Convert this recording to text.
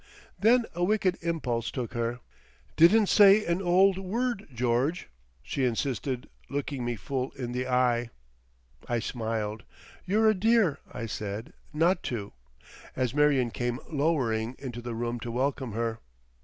Then a wicked impulse took her. "Didn't say an old word, George," she insisted, looking me full in the eye. I smiled. "You're a dear," I said, "not to," as Marion came lowering into the room to welcome her.